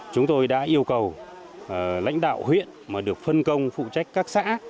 chúng tôi đã yêu cầu lãnh đạo huyện mà được phân công phụ trách các xã